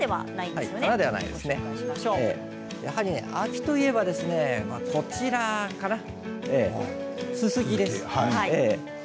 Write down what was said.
やっぱり秋といえばこちらかな、ススキです。